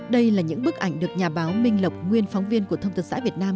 đây là những bức ảnh được nhà báo minh lộc nguyên phóng viên của thông tật xã việt nam